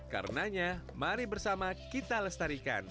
karenanya mari bersama kita lestarikan